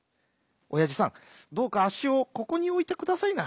おやじさんどうかあっしをここにおいてくださいな。